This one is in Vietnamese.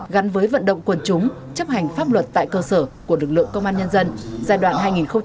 gắn với vận động quân chúng chấp hành pháp luật tại cơ sở của lực lượng công an nhân dân giai đoạn hai nghìn hai mươi một hai nghìn hai mươi bảy